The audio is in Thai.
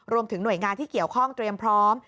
รวมถึงหน่วยงานที่เกี่ยวข้องเตรียมพร้อม